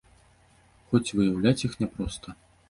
Хоць выяўляць іх няпроста.